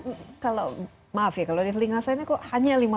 maaf ya kalau di telinga saya ini kok hanya